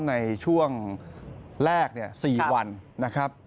ในช่วงแรก๔วันนะครับ